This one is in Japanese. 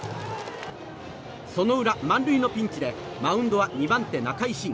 その裏、満塁のピンチでマウンドは２番手、仲井慎。